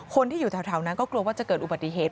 คนที่อยู่แถวนั้นก็กลัวว่าจะเกิดอุบัติเหตุ